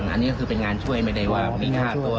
อันนี้ก็คือเป็นงานช่วยไม่ได้ว่ามีค่าตัว